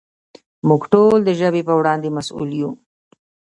موږ ټول د ژبې په وړاندې مسؤل یو.